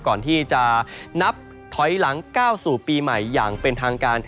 ก่อนที่จะนับถอยหลังก้าวสู่ปีใหม่อย่างเป็นทางการ